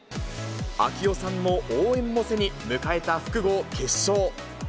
啓代さんの応戦を背に迎えた複合決勝。